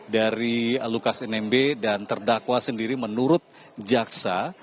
dari lukas nmb dan terdakwa sendiri menurut jaksa